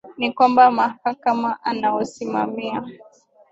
ni kwamba mahakama anaosimamia